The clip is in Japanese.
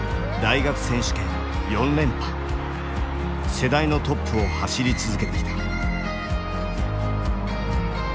世代のトップを走り続けてきた。